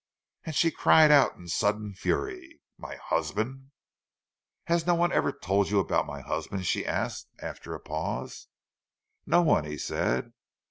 And she cried out in sudden fury—"My husband!" "Has no one ever told you about my husband?" she asked, after a pause. "No one," he said.